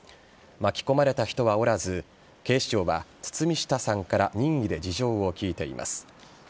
巻き込まれた人はおらず警視庁は堤下さんから任意で事情を聴いています。